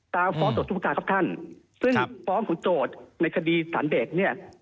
ตามฟ้องโจตสุปกราชครับท่านค่ะครับซึ่งฟ้องของโจทน์ในคดีสารเดทเนี้ย